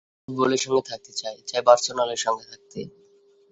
আমি সারা জীবন ফুটবলের সঙ্গে থাকতে চাই, চাই বার্সেলোনার সঙ্গে থাকতে।